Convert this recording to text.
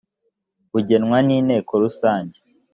bugenwa n inteko rusange